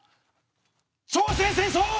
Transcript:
朝鮮戦争！